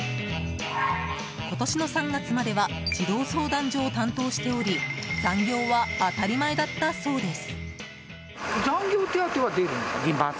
今年の３月までは児童相談所を担当しており残業は当たり前だったそうです。